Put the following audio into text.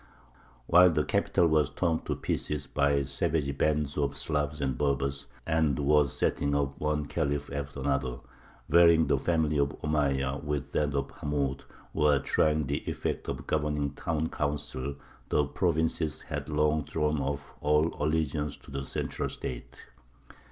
While the capital was torn to pieces by savage bands of Slavs and Berbers, and was setting up one khalif after another, varying the family of Omeyya with that of Hammūd, or trying the effect of a governing town council, the provinces had long thrown off all allegiance to the central State.